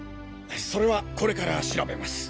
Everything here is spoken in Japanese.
それはこれから調べます。